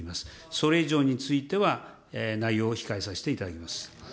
それ以上については、内容を控えさせていただきます。